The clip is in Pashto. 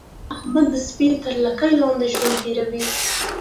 احمد د سپي تر لګۍ لاندې ژوند تېروي.